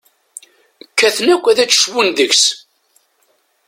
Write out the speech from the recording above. Kkaten akk ad d-cbun deg-s.